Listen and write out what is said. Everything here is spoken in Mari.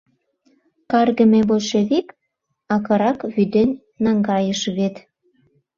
Каргыме большевик, акырак вӱден наҥгайыш вет.